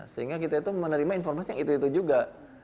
sehingga kita itu menerima informasi yang itu itu juga